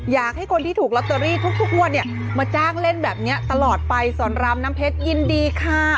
อยากให้คนที่ถูกลอตเตอรี่ทุกงวดเนี่ยมาจ้างเล่นแบบนี้ตลอดไปสอนรามน้ำเพชรยินดีค่ะ